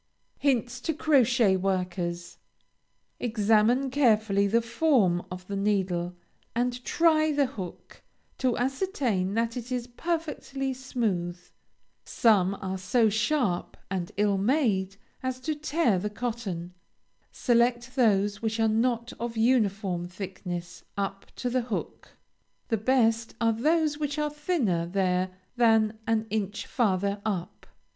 HINTS TO CROCHET WORKERS. Examine carefully the form of the needle, and try the hook, to ascertain that it is perfectly smooth. Some are so sharp and ill made as to tear the cotton. Select those which are not of uniform thickness up to the hook; the best are those which are thinner there than an inch farther up.